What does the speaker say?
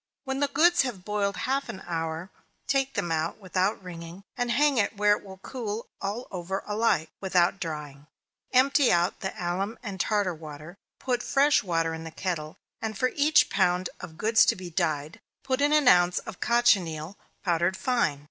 When the goods have boiled half an hour, take them out, without wringing, and hang it where it will cool all over alike, without drying; empty out the alum and tartar water, put fresh water in the kettle, and for each pound of goods to be dyed, put in an ounce of cochineal, powdered fine.